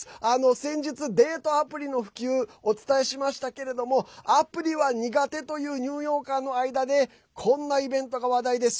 先日、デートアプリの普及をお伝えしましたけれどもアプリは苦手というニューヨーカーの間でこんなイベントが話題です。